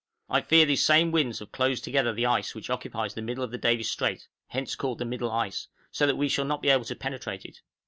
I fear these same winds have closed together the ice which occupies the middle of Davis' Strait (hence called the middle ice), so that we shall not be able to penetrate it.